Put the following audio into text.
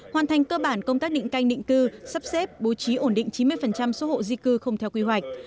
hoàn thành cơ bản công tác định canh định cư sắp xếp bố trí ổn định chín mươi số hộ di cư không theo quy hoạch